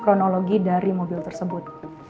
kronologi dari mobil tersebut